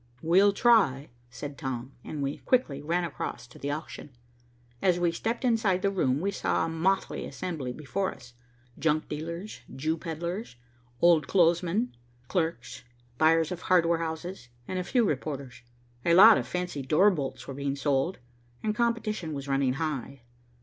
"We'll try," said Tom, and we quickly ran across to the auction. As we stepped inside the room, we saw a motley assembly before us, junk dealers, Jew peddlers, old clothes men, clerks, buyers of hardware houses, and a few reporters. A lot of fancy door bolts were being sold, and competition was running high.